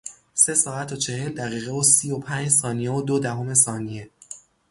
سه ساعت و چهل دقیقه و سی و پنج ثانیه و دو دهم ثانیه